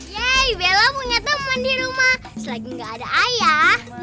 yeay bella punya teman di rumah selagi nggak ada ayah